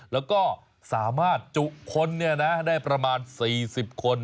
แล้วก็สามารถจุคนได้ประมาณ๔๐คน